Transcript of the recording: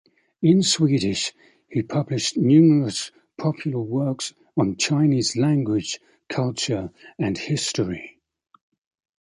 In Swedish he published numerous popular works on Chinese language, culture and history.